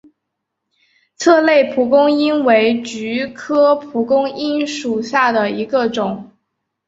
策勒蒲公英为菊科蒲公英属下的一个种。